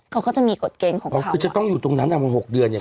เขาก็จะมีกฎเกณฑ์ของเขาคือจะต้องอยู่ตรงนั้น๖เดือนอย่างไรครับ